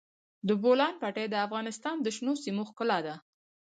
د بولان پټي د افغانستان د شنو سیمو ښکلا ده.